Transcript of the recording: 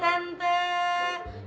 ya aku pengen juga